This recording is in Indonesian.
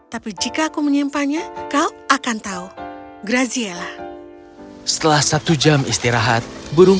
tapi jika aku menyimpannya kau akan tahu graziella setelah satu jam istirahat burung